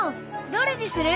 どれにする？